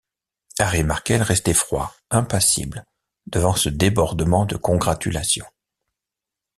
Harry Markel restait froid, impassible, devant ce débordement de congratulations.